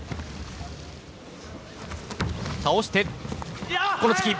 倒して、この突き。